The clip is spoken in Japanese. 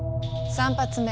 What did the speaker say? ３発目。